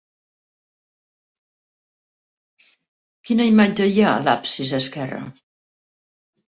Quina imatge hi ha a l'absis esquerre?